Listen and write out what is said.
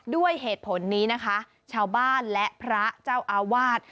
ด้วยเหตุผลนี้นะคะชาวบ้านและพระเจ้าอาวาส